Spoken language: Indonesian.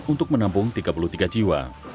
untuk menampung tiga puluh tiga jiwa